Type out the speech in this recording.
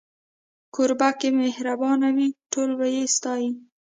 کوربه که مهربانه وي، ټول به يې ستایي.